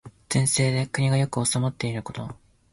善政で国が良く治まっていること。